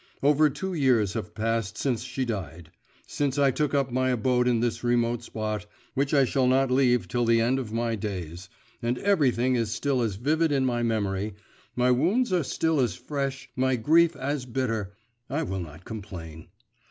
… Over two years have passed since she died; since I took up my abode in this remote spot, which I shall not leave till the end of my days, and everything is still as vivid in my memory, my wounds are still as fresh, my grief as bitter.… I will not complain.